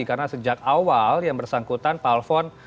karena sejak awal yang bersangkutan pak alfon